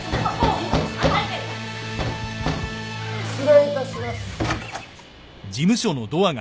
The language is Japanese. ・・失礼いたします。